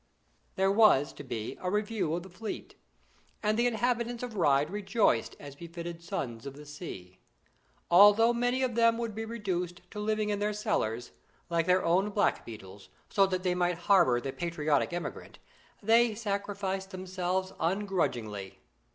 There was to be a Review of the Fleet, and the inhabitants of Ryde rejoiced, as befitted sons of the sea. Although many of them would be reduced to living in their cellars, like their own black beetles, so that they might harbour the patriotic immigrant, they sacrificed themselves ungrudgingly.